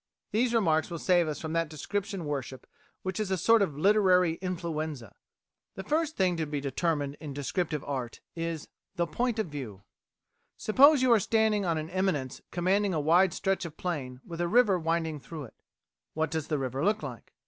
These remarks will save us from that description worship which is a sort of literary influenza. The first thing to be determined in descriptive art is the point of view. Suppose you are standing on an eminence commanding a wide stretch of plain with a river winding through it. What does the river look like?